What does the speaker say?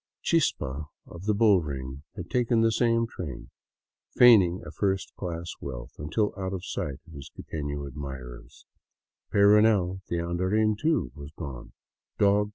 " Chispa " of the bullring had taken the same train, feigning a first class wealth until out of sight of his quiteiio admirers. Peyrounel, the " andarin," too, was gone, dog.